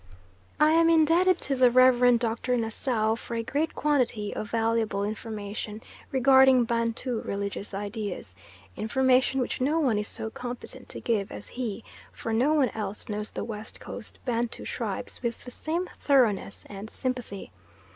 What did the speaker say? I am indebted to the Reverend Doctor Nassau for a great quantity of valuable information regarding Bantu religious ideas information which no one is so competent to give as he, for no one else knows the West Coast Bantu tribes with the same thoroughness and sympathy.